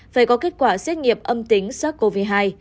phải có kết quả xét nghiệp âm tính sắc covid một mươi chín